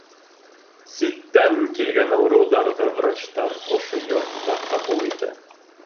Ситтән килгән ауырыуҙарҙы врачтар ошо йортта ҡабул итә.